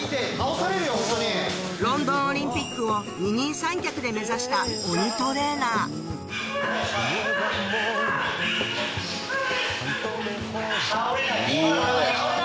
ロンドンオリンピックを二人三脚で目指した鬼トレーナーハァハァハァ。